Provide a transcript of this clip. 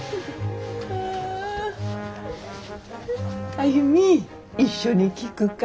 歩一緒に聴くか？